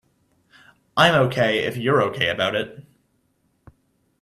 I'm OK if you're OK about it.